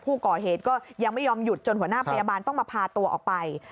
ผู้ก่อเหตุก็ยังไม่ยอมหยุดจนหัวหน้าพยาบาลต้องมาพาตัวออกไป